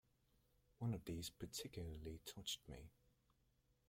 One of these particularly touched me.